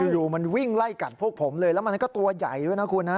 อยู่มันวิ่งไล่กัดพวกผมเลยแล้วมันก็ตัวใหญ่ด้วยนะคุณฮะ